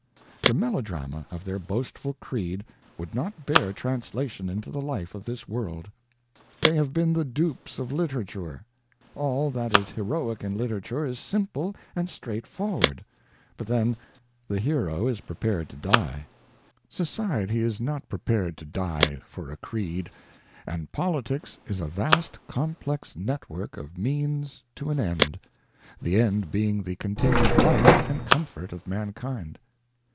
The melodrama of their boastful creed would not bear translation into the life of this world. They have been the dupes of literature ; all that is heroic in literature is simple and straightfor ward, but then, the hero is prepared to die. Society is not prepared INTRODUCTION. xi prepared to die for a creed, and politics is a vast complex network of means to an end, the end being the continued life and comfort of mankind.